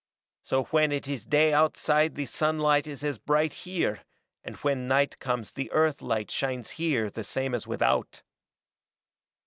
So when it is day outside the sunlight is as bright here, and when night comes the Earth light shines here the same as without.